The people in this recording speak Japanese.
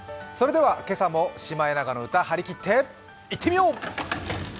それでは今朝も「シマエナガの歌」はりきっていってみよう。